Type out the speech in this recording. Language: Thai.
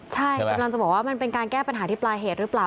ใช่กำลังจะบอกว่ามันเป็นการแก้ปัญหาที่ปลายเหตุหรือเปล่า